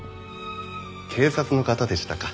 警察の方でしたか。